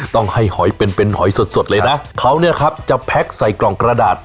ต้องให้หอยเป็นเป็นหอยสดเลยนะเขาเนี่ยครับจะแพ็คใส่กล่องกระดาษ